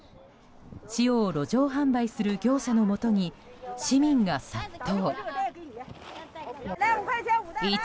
塩を路上販売する業者のもとに市民が殺到。